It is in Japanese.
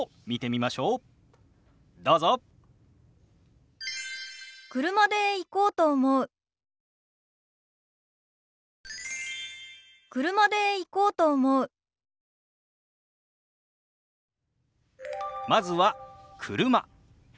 まずは「車」。